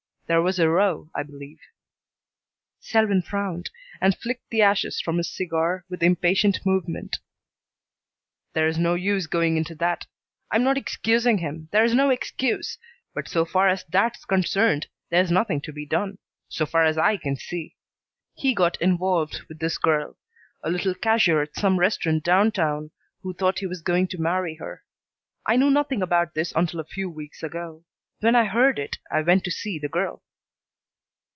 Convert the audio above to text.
There was a row, I believe." Selwyn frowned, flicked the ashes from his cigar with impatient movement. "There's no use going into that. I'm not excusing him; there's no excuse, but so far as that's concerned there's nothing to be done, so far as I can see. He got involved with this girl, a little cashier at some restaurant downtown who thought he was going to marry her. I knew nothing about this until a few weeks ago. When I heard it, I went to see the girl."